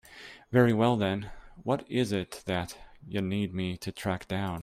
Very well then, what is it that you need me to track down?